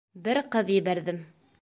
Бер ҡыҙ ебәрҙем.